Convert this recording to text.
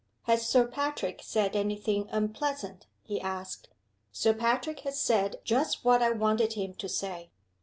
"Has Sir Patrick said any thing unpleasant?" he asked. "Sir Patrick has said just what I wanted him to say."